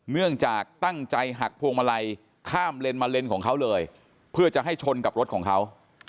เนื่องจากตั้งใจหักพวงมาลัยข้ามเลนมาเลนของเขาเลยเพื่อจะให้ชนกับรถของเขา